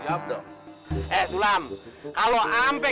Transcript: haji sulam sih gak mati